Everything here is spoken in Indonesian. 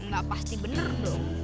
gak pasti bener dong